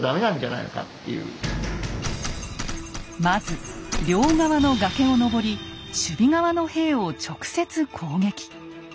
まず両側の崖を登り守備側の兵を直接攻撃。